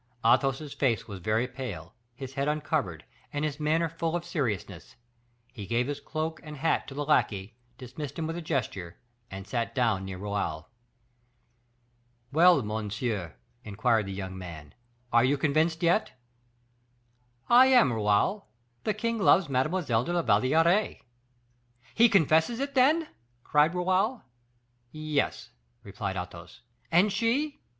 Athos's face was very pale, his head uncovered, and his manner full of seriousness; he gave his cloak and hat to the lackey, dismissed him with a gesture, and sat down near Raoul. "Well, monsieur," inquired the young man, "are you convinced yet?" "I am, Raoul; the king loves Mademoiselle de la Valliere." "He confesses it, then?" cried Raoul. "Yes," replied Athos. "And she?"